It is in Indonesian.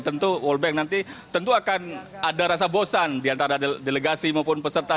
tentu world bank nanti tentu akan ada rasa bosan diantara delegasi maupun peserta